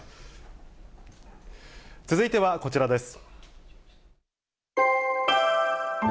続いてはこちらです。